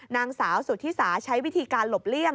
นางสาวสุธิสาใช้วิธีการหลบเลี่ยง